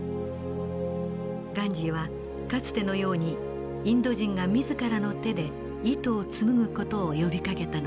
ガンジーはかつてのようにインド人が自らの手で糸を紡ぐ事を呼びかけたのです。